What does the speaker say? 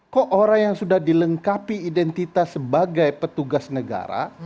kok orang yang sudah dilengkapi identitas sebagai petugas negara